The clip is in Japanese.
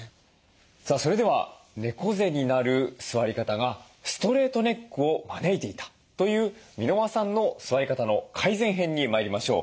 さあそれでは猫背になる座り方がストレートネックを招いていたという箕輪さんの座り方の改善編に参りましょう。